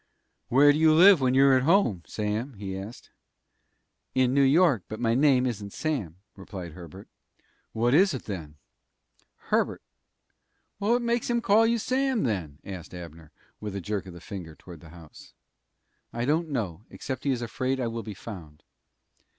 "Where do you live when you're at home, Sam?" he asked. "In New York; but my name isn't Sam," replied Herbert. "What is it, then?" "Herbert." "What makes him call you Sam, then?" asked Abner, with a jerk of the finger toward the house. "I don't know, except he is afraid I will be found."